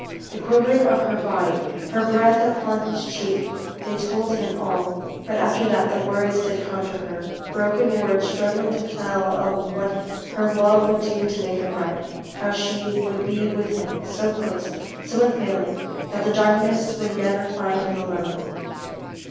The quivering of her body, her breath upon his cheek they told him all. But after that, the words did come to her; broken words struggling to tell of what her love would do to make it right; how she would be with him, so close, so unfailing, that the darkness would never find him alone.